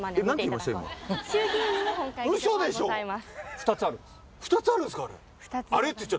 ２つあるんです。